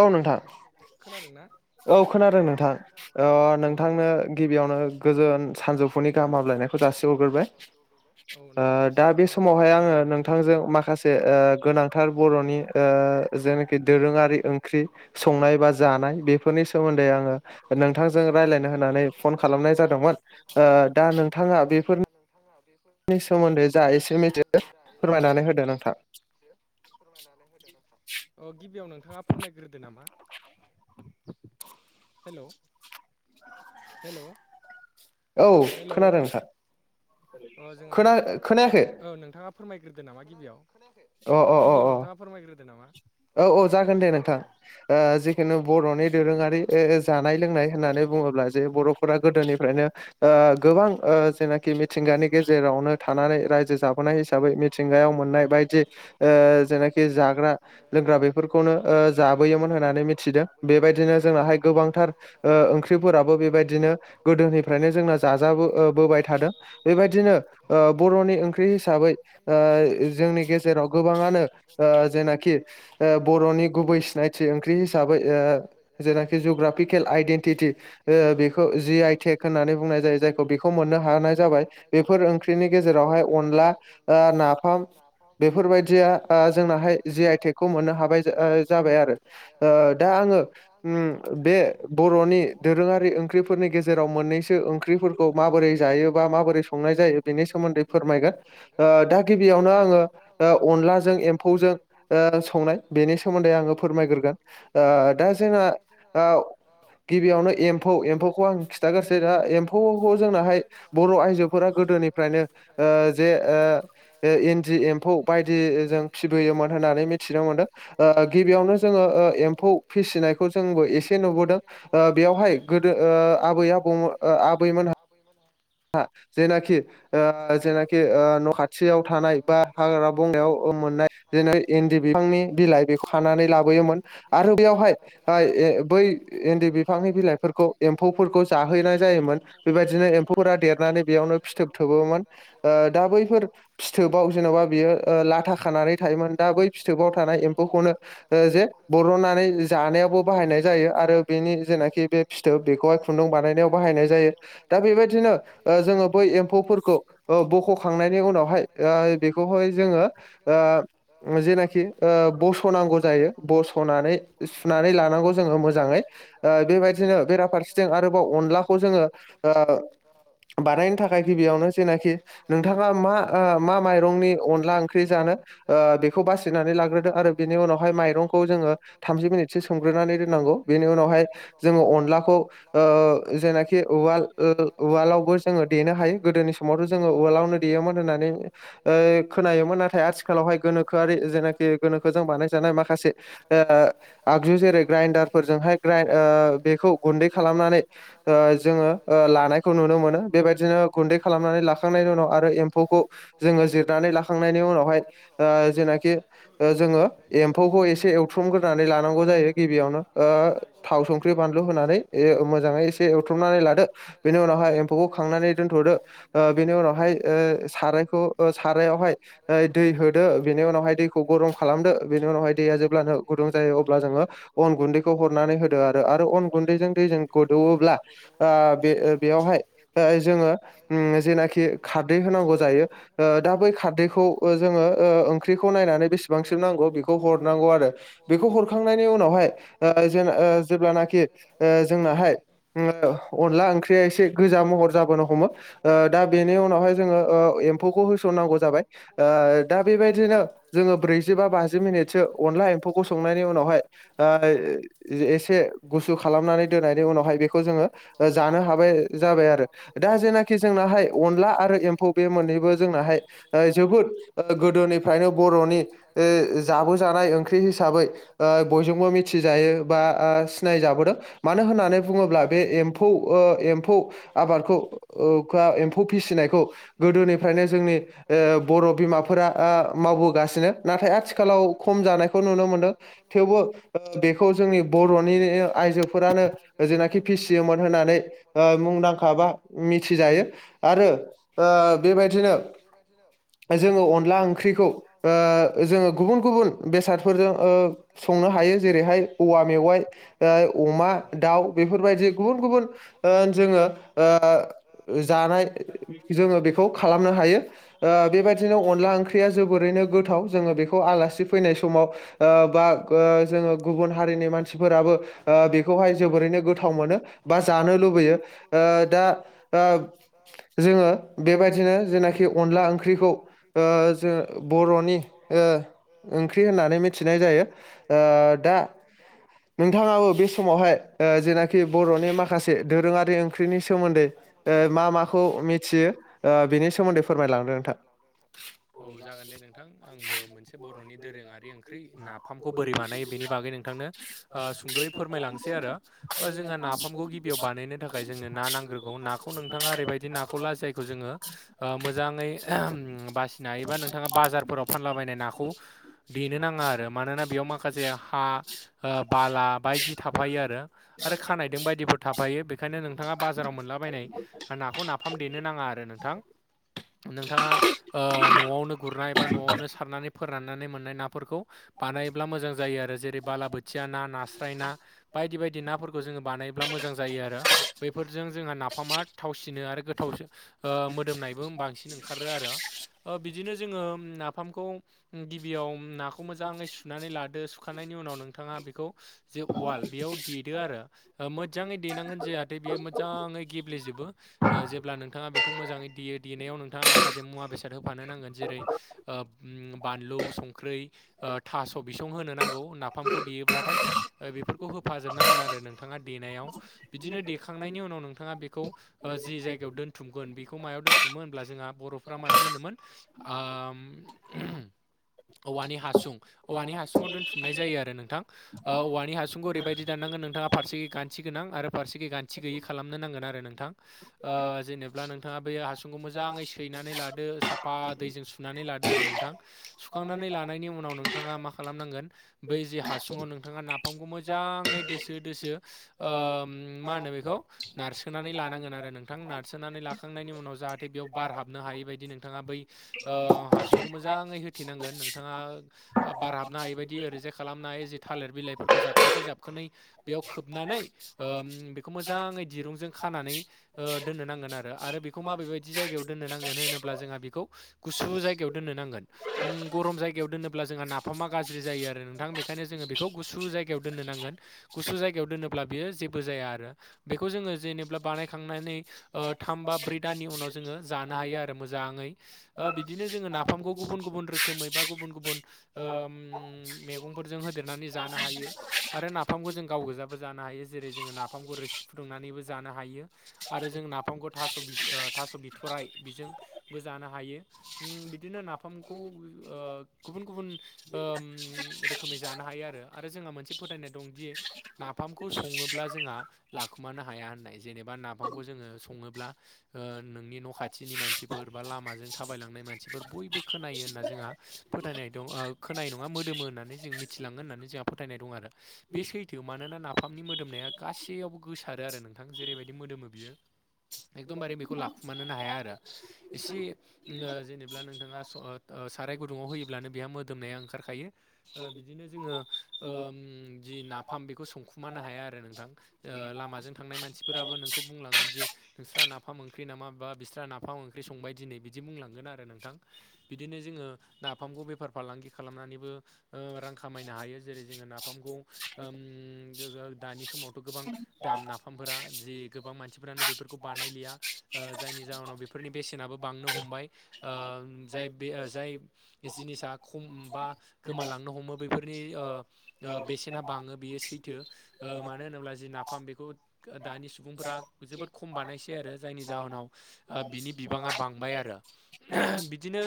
औ नोंथां। खोनादों ना? औ खोनादों नोंथां। अ नोंथांनो गिबियावनो गोजोन सानजौफुनि गाहामलायनाय जासि हरग्रोबाय। ओ दा बे समावहाय आङो नोंथांजों माखासे जो ओ गोनांथार बरनि ओ जेनोखि दोरों रै ओंख्रि संनाय बा जानाय बेफोरनि सोमोन्दै आङो नोंथांजों रायज्लायनो होननानै फन खालामनाय जादोंमोन ओ दा नोंथाङा बेफोरनि नोंथाङा बेफोर नि सोमोन्दै जा एसे मिथियो फोरमायनानै होदो नोंथां। [unintelligible] गिबियाव नोंथाङा फोरमायग्रोदो नामा? हेल। हेल। औ खोनादों नोंथां। खोना ओ खोनायाखै? फोरमायग्रोदो नामा गिबियाव अ अ अ अ औ औ जागोन दे नोंथां। ओ जे खिनु बरनि दोरोङारि ओ जानाय लोंनाय होननानै बुङोब्ला जे बरफोरा गोदोनिफ्रायनो ओ गोबां ओ जेनोखि मिथिंगानि गेजेरावनो थानानै रायजो जाबोनाय हिसाबै मिथिंगायाव मोननाय बायदि ओ जेनोखि जाग्रा लोंग्रा बेफोरखौनो ओ जाबोयोमोन होननानै मिथि थिदों बेबायदिनो जोंनाहाय गोबांथार ओ ओंख्रिफोराबो बेबायदिनो गोदोनिफ्रायनो जोंना जाजाबो ओ बोबाय थादों बेबायदिनो ओ बर'नि ओंख्रि हिसाबै ओ जोंनि गे जेराव गोबाङानो जेनाखि बर'नि गुबै सिनायथि ओंख्रि हिसाबै ओ जेनाखि जग्राफिकेल आइडेन्टि ओ बेखौ जि आइ टेक होननानै बुंनाय जायो। जायखौ बेखौ मोननो हानाय जाबाय। बेफोर ओंख्रिनि गेजेरावहाय अनला आ नाफाम बेफोरबायदिया ओ जोंनाहाय जि आइ टेकखौ मोननो ओ हाबाय ओ जाबाय आरो। ओ दा आङो ओ बे बर'नि दोरोङारि ओंख्रिफोरनि गेजेराव मोननैसो ओंख्रि ओंख्रिफोरखौ माबोरै जायो बा माबोरै संनाय जायो बेनि सोमोन्दै फोरमायगोन। दा गिबियावनो आङो ओ अनलाजों एम्फौजों ओ संनाय बेनि सोमोन्दै आङो फोरमायग्रोगोन ओ दा जोंहा ओ गिबियावनो एम्फौ एम्फौखौ आं खिन्थाग्रोनसै दा एम्फौखौ जोंनाहाय बर' आइजोफोरा गोदोनिफ्रायनो ओ जे ओ एनदि एम्फौ बायदि जों फिसिबोयोमोन होननानै मिथिनो मोनदों। ओ गिबियावनो जोङो ओ एम्फौ फिसिनायखौ जोंबो एसे नुबोदों ओ बेयावहाय गोदो ओ आबै आबौ ओ आबैमोनहा आबैमोनहा जेनाखि ओ जेनाखि न' खाथियाव थानाय बा हाग्रा बङगायाव मोननाय दिनै इन्दि बिफांनि बिलाइ बेखौ खानानै लाबोयोमोन आरो बेयावहाय ओ ओइ बै इन्दि बिफांनि बिलाइफोरखौ एम्फौफोरखौ जाहैनाय जायोमोन बेबायदिनो एम्फौ फोरा देरनानै बेयावनो फिथोब थोबोमोन ओ दा बैफोर फिथोबाव जेनबा बियो ओ लाथा खानानै थायोमोन दा बै फिथोबाव थानाय एम्फौखौनो ओ जे बरननानै जा जानायावाबो बाहायनाय जायो आरो बेनि जेनाखि बे फिथोब बेखौ खुन्दुं बानायनायाव बाहायनाय जायो दा बेबादि बिदिनो ओ जोङो बै एम्फौफोरखौ ओ बख'खांनायनि उनावहाय ओ बेखौहाय जोङो ओ जेनाखि ओ बस'नांगौ जायो बस'नानै सुनानै लानांगौ जा जों मोजाङै ओ बेबायदिनो बेराफारसेथिं आरोबाव अनलाखौ जोङो ओ औ। बानायनो थाखाय गिबियावनो जेनाखि नोंथाङा मा मा माइरंनि अनला ओंख्रि जानो ओ बेखौ बासिनानै लाग्रोदों आरो बेनि उनावहाय माइरंखौ जोङो थामजि मिनिटसो सोमग्रोनानै दोननांगौ बेनि उनावहाय जोङो अनलाखौ ओ जेनाखि उवाल ओ उवालावबो जोङो देनो हायो गोदोनि समावथ' जोङो उवालावनो देयोमोन होननानै ओ खोनायोमोन नाथाय आथिखालावहाय गोनोखोआरि जेनाखि गोनोखोजों बानायजानाय माखासे आगजु जेरै ग्रेनदारफोरजोंहाय ग्रेन ओ बेखौ गुन्दै खालामनानै ओ जोङो ला खौ नुनो मोनो बेबायदिनो गुन्दै खालामनानै लाखांनायनि उनाव आरो एम्फौखौ जोङो जिरनानै लाखांनायनि उनावहाय ओ जेनाखि ओ जोङो एम्फौखौ एसे एवथ्रमग्रोनानै लानांगौ खौ जायो गिबियावनो ओ थाव संख्रि बानलु होनानै ओ मोजाङै एसे एवथ्रुमनानै लादो बेनि उनावहाय एम्फौखौ खांनानै दोनथदो ओ बेनि उनावहाय ओ सारायखौ ओ सारायावहाय दै होदो बेनि उनावहाय दैखौ गरम खालामदो बेनि उनावहाय दैया जेब्लानो गुदुं जायो अब्ला जोङो अन गुन्दैखौ हरनानै होदो आरो आरो अन गुन्दैजों दै जों गोदौवोब्ला आ बे ओ बेयावहाय ओ जोङो ओम जेनाखि खारदै होनांगौ जायो ओ दा बै खारदैखौ जोङो ओ ओंख्रिखौ नायनानै बेसेबांसो नांगौ बेखौ हरनांगौ आरो बेखौ हरखांनाय उनावहाय ओ जों ओ जेब्लानोखि ओ जोंनाहाय ओ अनला ओंख्रि एसे गोजा महर जाबोनो हमो ओ दा बेनि उनावहाय जोङो ओ एम्फौखौ होसननांगौ जाबाय ओ दा बेबायदिनो जोङो ब्रैजि बा बाजि मिनिटसो अनला एम्फौखौ संनायनि उनावहाय ओ एसे गुसु खालामनानै दोननायनि उनावहाय बेखौ जोङो जानो हाब जाबाय आरो दा जेनाखि जोंनाहाय अनला आरो एम्फौ बे मोननैबो जोंनाहाय जोबोद गोदोनिफ्रायनो बर'नि ओ जाबोजानाय ओंख्रि हिसाबै ओ बयजोंबो मिथिजायो बा सिनाय जाबोदों मानो होननानै बुङोब्ला बे एम्फौ ओ एम्फौ आबादखौ ओ एम्फौ फिसिनायखौ गोदोनिफ्रायनो जोंनि ओ बर' बिमाफोरा मावबोगासिनो नाथाय आथिखालाव खम जानायखौ नुनो मोनदों थेवबो ओ बेखौ जोंनि बरनि आइजोफोरानो ओ जेनाखि फिसियोमोन होननानै ओ मुंदांखा बा मिथिजायो आरो बेबायदिनो बायदिनो जोङो अनला ओंख्रिखौ ओ जोङो गुबुन गुबुन बेसादफोरजों ओ संनो हायो जेरैहाय औवा मेवाइ ओ अमा दाउ बेफोरबायदि गुबुन गुबुन ओ जोङो ओ जानाय जोङो बेखौ खालामनो हायो। ओ बेबायदिनो अनला ओंख्रिया जोबोरैनो गोथाव जोङो बेखौ आलासि फैनाय समाव ओ बा ओ जोङो गुबुन हारिनि मानसिफोराबो ओ बेखौहाय जोबोरैनो गोथाव मोनो। बा जानो लुब दो ओ दा ओ जोङो बेबायदिनो जेनाखि अनला ओंख्रिखौ ओ जों बरनि ओ ओंख्रि होननानै मिथिनाय जायो। ओ दा नोंथाङाबो बे समावहाय ओ जेनाखि बरनि माखासे दोरोङारि ओंख्रिनि सोमोन्दै ओ मा माखौ मिथियो ओ बेनि सोमोन्दै फोरमायलांदो नोंथां। [inaudible] औ जागोन दे नोंथां आंबो मोनसे बरनि दोरोङारि ओंख्रि नाप फामखौ बोरै बानायो बेनि बागै नोंथांनो ओ सुंदयै फोरमायलांनोसै आरो ओ जोंहा नाफामखौ गिबियाव बानायनो थाखाय थाखाय जोंनो ना नांग्रोगौ नाखौ नोंथाङा ओरैबायदि नाखौ ला जायखौ जोङो मोजाङै ओहम बासिनाय एबा नोंथाङा बाजारफोराव फानलाबायनाय नाखौ देनो नाङा आरो मानोना बेयाव माखासे हा ओ बाला बायदि थाफायो आरो आरो खानायदों बायदिफोर थाफायो बेखायनो नोंथाङा बाजाराव मोनलाबायनाय नाखौ नाफाम देनो नाङा आरो नोंथां। नोंथाङा ओ न'आवनो गुरनाय बा न'आवनो सारनानै फोराननानै मोननाय नाफोरखौ बानायब्ला मोजां जायो आरो जेरै बालाबोथिया ना नास्राय ना बायदि बायदि नाफोरखौ जोङो बानायब ब्ला मोजां जायो आरो बैफोरजों जोंहा नाफामा थावसिनो आरो गोथावसो ओ मोदोमनायबो बांसिन ओंखारो आरो। ओ बिदिनो जोङो ओम नाफामखौ गिबियाव नाखौ मोजां मोजाङै सुनानै लादो सुखांनायनि उनाव नोंथाङा बेखौ जे वाल बेयाव देदो आरो मोजाङै देनांगोन जायाथे बियो मोजाङै गेब्लेजोबो ओ जेब्ला नोंथाङा बेखौ मोजाङै देयो देनायाव नोंथाङा माखासे मुवा बेसाद होफानो नांगोन जेरै ओब उम बानलु संख्रै ओ थास बिसं होनो नांगौ नाफामखौ देयोब्लाथाय ओ बेफोरखौ होफाजोबनांगोन आरो नोंथाङा देनायाव बिदिनो देखांनायनि उनाव नोंथाङा बेखौ ओ जि जायगायाव दोनथुमगोन बेखौ मायाव दोन्थुमो होनब्ला जोंहा बर'फ्रा मायाव दोनोमोन आ ओह औवानि हा हासुं औवानि हासुंआव दोनथुमनाय जायो आरो नोंथां। ओ औवानि हासुंखौ ओरैबायदि दाननांगोन नोंथाङा फारसे गान्थि गोनां आरो फारसेखै गान्थि गैयि खालामनो नांगोन आरो नोंथां। ओ जेनेब्ला नोंथाङा बे हासुंखौ मोजाङै सैनानै लादो साफा दैजों सु सुनानै लादो आरो नोंथां सुखांनानै लानायनि उनाव उनाव नोंथाङा मा खालामनांगोन बै जे हासुङाव नोंथाङा नाफामखौ मोजाङै दोसो दोसो ओ उम मा होनो बेखौ नारसोनानै लानांगोन आरो नोंथां नारसोनानै लाखांनायनि उनाव जाहाथे बेयाव बार हाबनो हायै बायदि नोंथाङा बै ओ हासुंखौ मोजाङै होथेनांगोन नोंथाङा बारहाबनो हायिबायदि ओरैजाय खालामनो हयो जि थालिर बिलाइफोरखौ जाबखोसे जाबखोनै बेयाव खोबनानै ओ बेखौ मोजाङै दिरुंजों खानानै ओ दोननो नांगोन आरो आरो बेखौ माबेबदि जायगायाव दोननो नांगोन होनोब्ला जोंहा बेखौ गुसु जायगायाव दोननो नांगोन उम गरम जायगायाव दोनोब अब्ला जोंहा नाफामा गाज्रि जायो आरो नोंथां बेखायनो जोङो बेखौ गुसु जायगायाव दोननो नांगोन। गुसु जायगायाव दोनोब्ला बियो जेबो जाया आरो बेखौ जोङो जेनेब्ला बानायखांनानै ओ थाम बा ब्रै दाननि उनाव जोङो जानो हायो आरो मोजाङै। ओ बिदिनो जोङो नाफामखौ गुबुन गुबुन रोखोमै बा ओ गुबुन गुबुन उम मैगंफोरजों होदेरनानै जानो हायो। आरो नाफामखौ जों गाव गोजाबो जानो हायो जेरै जोङो नाफामखौ रोसि फुदुंनानैबो जानो हायो। आरो जों नाफामखौ ओ थास' बिस थास' बिथ'राइ बेजोंबो जानो हायो। ओम बिदिनो नाफामखौ ओ गुबुन गुबुन ओ रोखोमै जानो हायो आरो आरो जोंहा मोनसे फोथायनाय दंदि नाफामखौ सङोब्ला जोंहा लाखुमानो हाया होननाय जेनेबा नाफामखौ जोङो सङोब्ला ओ नोंनि न' खाथिनि मानसिफोर बा लामाजों थाबायलांनाय मानसिफोर बयबो खोनायो होनना जोंहा फोथायनाय दं ओ खोनायो नङा मोदोमो होननानै जों मिथिलांगोन होननानै जोंहा फोथायनाय दं आरो। बे सैथोआव मानोना नाफामनि मोदोमनाया गासैयावबो गोसारो आरो नोंथां जेरैबायदि मोदोमो बियो। एखदमबारे बेखौ लाखुमानोनो हाया आरो। एसे ओ जेनेबा नोंथाङास ओ साराय गु दुङाव होयोब्लानो बेहा मोदोमनाया ओंखारखायो ओ बिदिनो जोङो ओम जि नाफाम बेखौ संखुमानो हाया आरो नोंथां। ओ लामाजों थांनाय मानसिफोराबो नोंखौ बुंलांगोन जे नोंस्रा नाफाम ओंख्रि नामा बा बिस्रा नाफाम ओंख्रि संबाय दिनै बिदि बुंलांगोन आरो नोंथां। बिदिनो जोङो नाफामखौ बेफार फालांगि खालामनानैबो ओ रां खामायनो हायो। जेरै जोङो नाफामखौ ओम गोगो दानि समावथ' गोबां। दाम नाफामफोरा जि गोबां मानसिफोरानो बेफोरखौ बानायलिया। ओ जायनि जाहोनाव बेफोरनि बेसेनाबो बांनो हमबाय ओम जाय बे जाय जिनिसा खम बा गोमालांनो हमो बेफोरनि ओ ओ बेसेना बाङो बेयो सैथो मानो होनोब्ला जि नाफाम बेखौ दानि सुबुंफोरा जोबोद खम बानायसै आरो जायनि जाहोनाव बिनि बिबाङा बांबाय आरो बिदिनो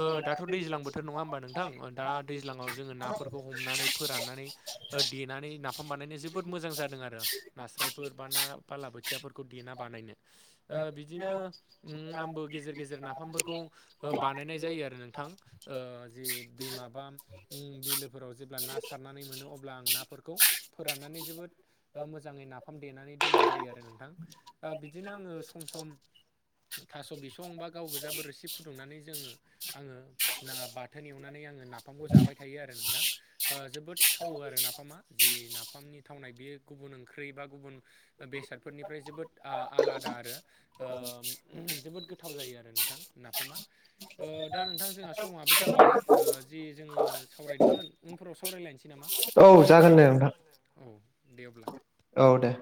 ओ दाथ' दैज्लां बोथोर नङा होमबा नोंथां दा दैज्लाङाव जोङो नाफोरखौ हमनानै फोराननानै। ओ देनानै नाफाम बानायनाय जोबोद मोजां जादों आरो। नास्रायफोर बा ना बालाबोथियाफोरखौ देना बानायनो। ओ बिदिनो उम आंबो गेजेर गेजेर नाफामफोरखौ बानायनाय जायो आरो नों थां ओ जि दैमा बा उम बिलोफोराव जेब्ला ना सारनानै मोनो अब्ला आं नाफोरखौ फोराननानै जोबोद ओ मोजाङै नाफाम देनानै दोननाय जायो आरो नोंथां ओ बिदिनो आङो सम सम। थास' बिसं बा गाव गोजाबो रोसि फुदुंनानै जोङो आङो ना बाथोन एवनानै आङो नाफामखौ जाबाय थायो आरो नोंथां। ओ जोबोद थावो आरो नाफामा जि नाफामनि थावनाय बेयो गुबुन ओंख्रि बा गुबुन बेसादफोरनिफ्राय जोबोद आ-आलादा आरो। ओम जोबोद गोथाव जायो आरो नोंथां नाफामा। [inaudible] ओ दा नोंथां जोंहा समाबो जाबाय ओ जि जोङो सावरायदोंमोन उनफोराव सावरायलायनोसै नामा? औ जागोन दे नोंथां। दे अब्ला। औ दे।